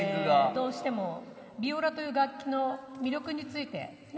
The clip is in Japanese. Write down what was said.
どうしてもヴィオラという楽器の魅力についてね。